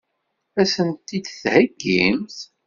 Ad sen-t-id-theggimt?